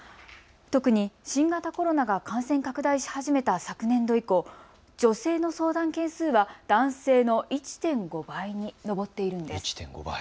特に新型コロナが感染拡大し始めた昨年度以降、女性の相談件数は男性の１．５倍に上っているんです。